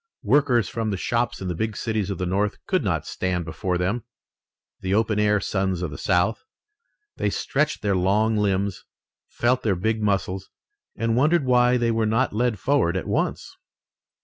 Workers from the shops in the big cities of the North could not stand before them, the open air sons of the South. They stretched their long limbs, felt their big muscles, and wondered why they were not led forward at once.